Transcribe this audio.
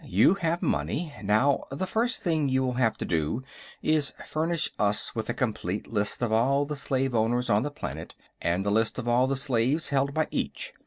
You have money. Now, the first thing you will have to do is furnish us with a complete list of all the slave owners on the planet, and a list of all the slaves held by each.